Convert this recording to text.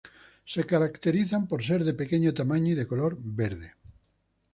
Se caracterizan por ser de pequeño tamaño y de color verde.